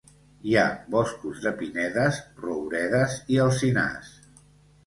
Hi ha boscos de pinedes, rouredes i alzinars.